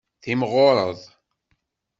Timɣureḍ.